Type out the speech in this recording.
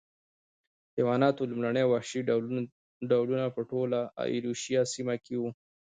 د حیواناتو لومړني وحشي ډولونه په ټوله ایرویشیا سیمه کې و.